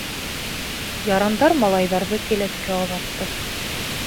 Ярандар малайҙарҙы келәткә оҙатты.